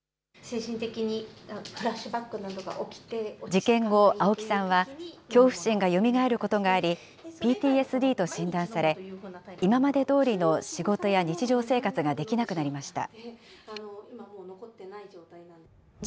事件後、青木さんは恐怖心がよみがえることがあり、ＰＴＳＤと診断され、今までどおりの仕事や日常生活ができなくなりました。